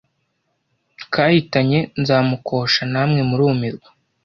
kahitanye nzamukosha namwe murumirwa: